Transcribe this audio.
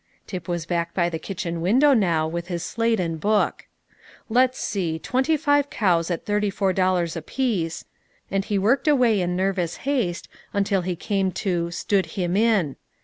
(Tip was back by the kitchen window now, with his slate and book.) "Let's see: twenty five cows at thirty four dollars apiece;" and he worked away in nervous haste, until he came to "stood him in."